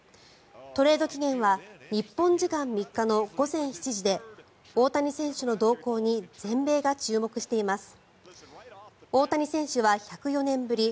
トレード期限は日本時間３日の午前７時で大谷選手の動向に全米が注目しています。